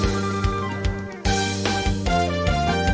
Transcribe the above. กลับไปก่อนที่สุดท้าย